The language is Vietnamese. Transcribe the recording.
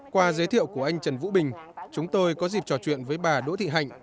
qua giới thiệu của anh trần vũ bình chúng tôi có dịp trò chuyện với bà đỗ thị hạnh